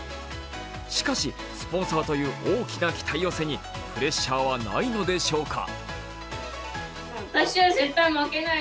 しかしスポンサーという大きな期待を背にプレッシャーはないのでしょうか。